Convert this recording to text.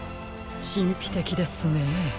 しんぴてきですね。